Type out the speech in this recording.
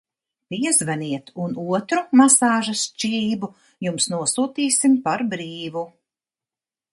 Piezvaniet, un otru masāžas čību jums nosūtīsim par brīvu!